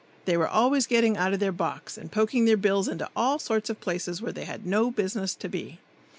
They were always getting out of their box and poking their bills into all sorts of places where they had no business to be.